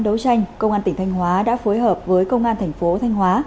phối hợp với công an thành phố thanh hóa